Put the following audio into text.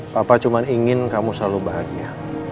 papa cuma ingin kamu selalu bahagia